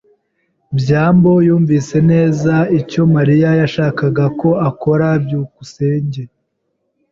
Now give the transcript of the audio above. byambo yumvise neza icyo Mariya yashakaga ko akora. byukusenge